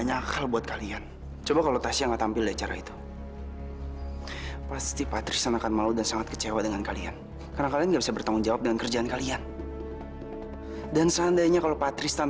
ya aku hanya ingin mengucapkan banyak sekali terima kasih atas pengertian patris dan